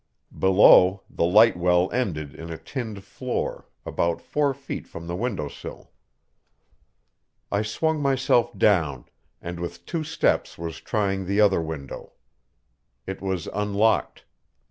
Below, the light well ended in a tinned floor, about four feet from the window sill. I swung myself down, and with two steps was trying the other window. It was unlocked.